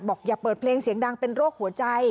อย่าเปิดเพลงเสียงดังเป็นโรคหัวใจ